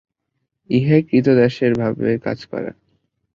ইহাই ক্রীতদাসের ভাবে কাজ করা।